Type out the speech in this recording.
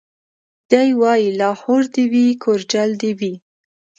دی وايي لاهور دي وي کورجل دي وي